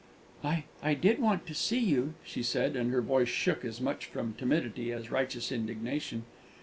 "I I did want to see you," she said, and her voice shook, as much from timidity as righteous indignation.